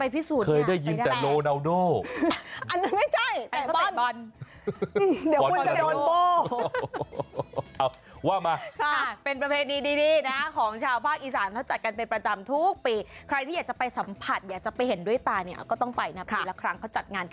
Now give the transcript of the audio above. ผู้คนที่นั่นแล้วก็เฟนลี่น่ารัก